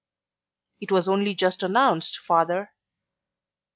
"It was only just announced, Father."